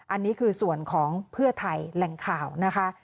อันนี้คือส่วนของเพื่อไทยแหล่งข่าวนะคะ